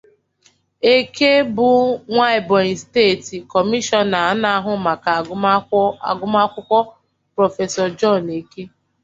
Eke bụ nwa Ebonyi State Kọmishọna na-ahụ maka Agụmakwụkwọ, Professor John Eke.